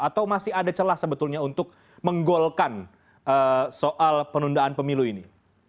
atau masih ada celah sebetulnya untuk menggolkan soal penundaan pemilu ini